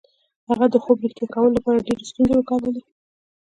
هغه د خوب رښتیا کولو لپاره ډېرې ستونزې وګاللې